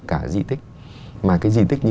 cả di tích mà cái di tích như